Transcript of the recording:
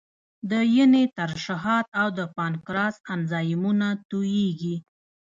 د ینې ترشحات او د پانکراس انزایمونه تویېږي.